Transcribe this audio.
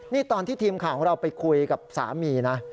นี่ตอนที่ทีมข่าวของเราไปคุยกับสามีนะ